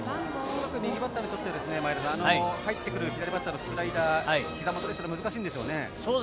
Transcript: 恐らく右バッターにとっては入ってくるスライダー、ひざ元でしたが難しいんでしょうね。